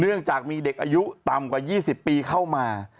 เนื่องจากมีเด็กอายุต่ำกว่า๒๐ปีเข้ามา